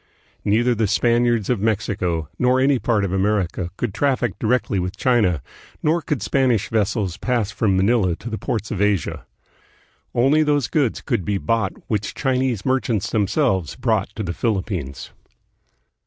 Neither the Spaniards of Mexico nor any part of America could traffic directly with China, nor could Spanish vessels pass from Manila to the ports of Asia. Only those goods could be bought which Chinese merchants themselves brought to the Philippines.